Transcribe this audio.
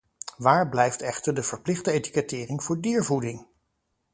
Waar blijft echter de verplichte etikettering voor diervoeding?